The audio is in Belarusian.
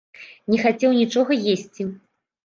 Не хацеў нічога есці.